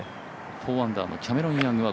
４アンダーのキャメロン・ヤングは